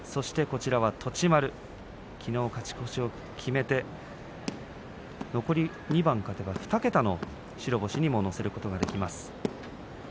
栃丸、きのう勝ち越しを決めて残り２番勝てば２桁の白星にも乗せることができます。